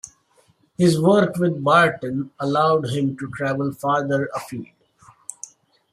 His work with Barton allowed him to travel farther afield.